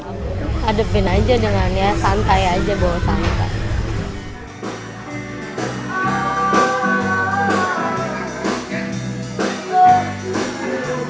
hadepin aja dengannya santai aja bawa santai